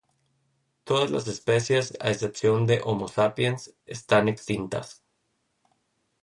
Todas las especies, a excepción de "Homo sapiens", están extintas.